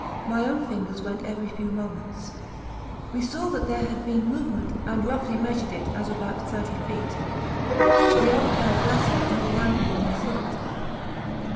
My own fingers went every few moments.)We saw that there had been movement and roughly measured it as about 30 feet. (The old Ferrar Glacier is more lively than we thought.)